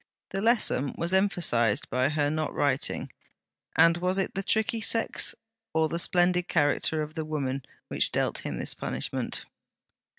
The lesson was emphasized by her not writing: and was it the tricky sex, or the splendid character of the woman, which dealt him this punishment?